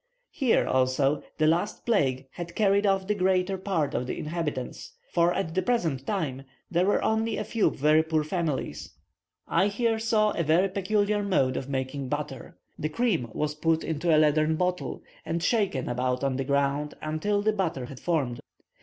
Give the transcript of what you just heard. Here, also, the last plague had carried off the greater part of the inhabitants; for, at the present time, there were only a few very poor families. I here saw a very peculiar mode of making butter. The cream was put into a leathern bottle, and shaken about on the ground until the butter had formed.